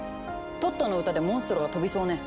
トットの歌でモンストロが飛びそうね。